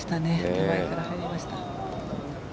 手前から入りました。